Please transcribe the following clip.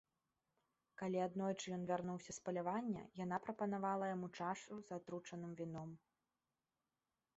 Калі аднойчы ён вярнуўся з палявання, яна прапанавала яму чашу з атручаным віном.